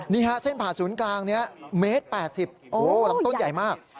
นี่ฮะเส้นผ่าศูนย์กลางนี้เมตร๘๐โอ้โหลำต้นใหญ่มาก